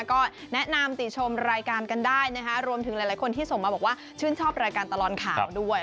ก็แนะนำติชมรายการกันได้นะคะรวมถึงหลายคนที่ส่งมาบอกว่าชื่นชอบรายการตลอดข่าวด้วย